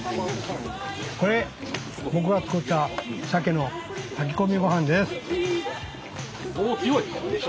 これ僕が作ったシャケの炊き込みごはんです。